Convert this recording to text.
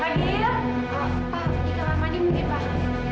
ya allah pak kok bisa kayak gini sih pak